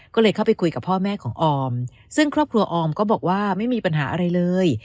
ก็เลยเข้าไปคุยกับพ่อแม่ของออมซึ่งครอบครัวออมก็บอกว่าไม่มีปัญหาอะไรเลย